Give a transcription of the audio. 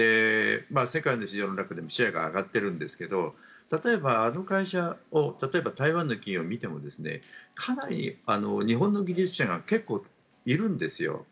世界の中でもシェアが上がっているんですが例えば、あの会社台湾の企業を見てもかなり日本の技術者が結構、いるんですよ。